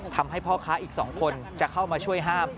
ทำให้พ่อค้าอีก๒คนจะเข้ามาช่วยห้าม